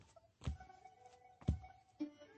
明于丹术。